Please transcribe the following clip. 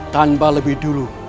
tanpa lebih dulu